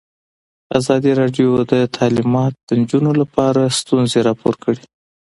ازادي راډیو د تعلیمات د نجونو لپاره ستونزې راپور کړي.